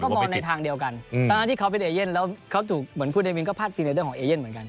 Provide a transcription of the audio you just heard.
มองในทางเดียวกันทั้งที่เขาเป็นเอเย่นแล้วเขาถูกเหมือนคุณเอมินก็พาดพิงในเรื่องของเอเย่นเหมือนกัน